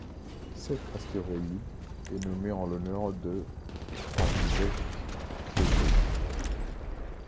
Cet astéroïde est nommé en l'honneur de František Křižík.